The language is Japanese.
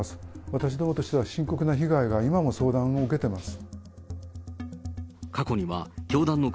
私どもとしては深刻な被害が、今も相談を受けてます。